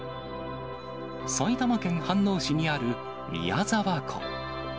埼玉県飯能市にある宮沢湖。